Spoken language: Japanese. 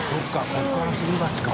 ここからすり鉢か。